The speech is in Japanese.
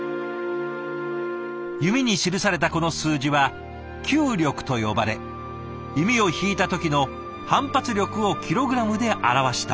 弓に記されたこの数字は弓力と呼ばれ弓を引いた時の反発力をキログラムで表したもの。